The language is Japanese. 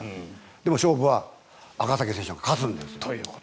でも勝負は赤崎選手が勝つんです。